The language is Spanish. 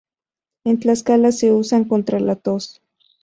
En Tlaxcala se usa contra la tos.